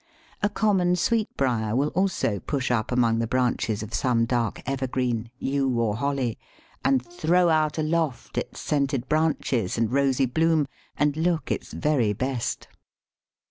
A common Sweetbriar will also push up among the branches of some dark evergreen, Yew or Holly, and throw out aloft its scented branches and rosy bloom, and look its very best.